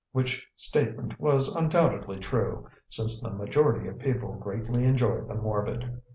which statement was undoubtedly true, since the majority of people greatly enjoy the morbid.